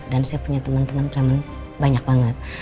dan saya punya teman teman preman banyak banget